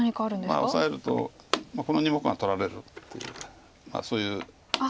オサえるとこの２目が取られるっていうそういう。